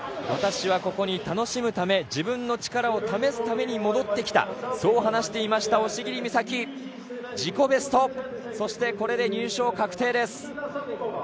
私はここに楽しむため、自分の力を試すため戻ってきた、そう話していました押切美沙紀自己ベスト、そしてこれで入賞確定です。